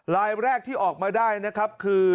รายแรกที่ออกมาได้นะครับคือ